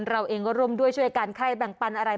เราเองก็ร่วมด้วยช่วยกันไข้แบ่งปันอะไร